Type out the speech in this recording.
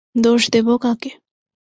দোষ দেব কাকে?